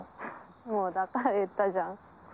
もうだから言ったじゃん